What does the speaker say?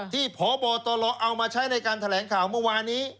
ที่พบตลเอามาใช้ในการแถลงข่าวเมื่อวานี้